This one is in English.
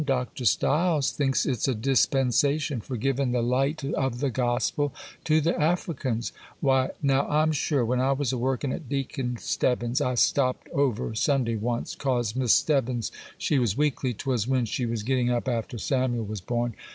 Doctor Styles thinks it's a dispensation for giving the light of the gospel to the Africans; why, now I'm sure, when I was a working at Deacon Stebbins', I stopped over Sunday once, 'cause Miss Stebbins she was weakly; 'twas when she was getting up after Samuel was born.